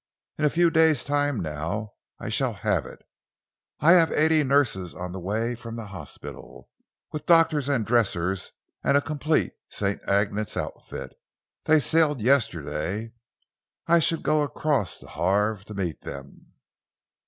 In a few days' time now I shall have it. I have eighty nurses on the way from the hospital, with doctors and dressers and a complete St. Agnes's outfit. They sailed yesterday, and I shall go across to Havre to meet them."